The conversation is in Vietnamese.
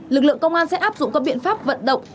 lực lượng công an sẽ áp dụng các biện pháp vận động